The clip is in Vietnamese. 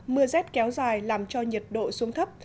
mưa rét kéo dài làm cho nhiệt độ xuống thấp